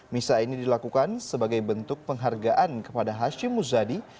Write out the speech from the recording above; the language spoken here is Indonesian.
misa ini dilakukan sebagai bentuk penghargaan kepada hashim muzadi